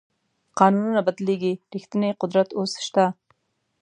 قانونونه بدلېږي ریښتینی قدرت اوس شته.